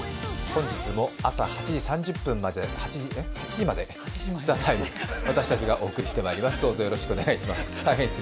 本日も朝８時まで、「ＴＨＥＴＩＭＥ，」、私たちがお送りしてまいります。